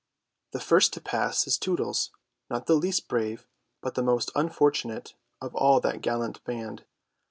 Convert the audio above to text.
The first to pass is Tootles, not the least brave but the most unfortunate of all that gallant band.